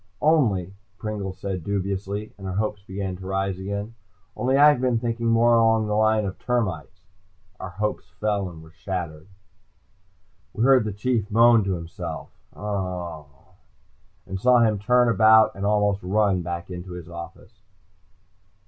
"Only," Pringle said dubiously, and our hopes began to arise again. "Only I've been thinking more along the line of termites." Our hopes fell and were shattered. We heard the Chief moan to himself and saw him turn and almost run back into his office.